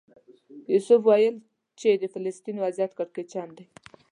یوسف وویل چې د فلسطین وضعیت کړکېچن دی.